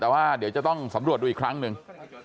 แต่ว่าเดี๋ยวจะต้องสำรวจดูอีกครั้งหนึ่ง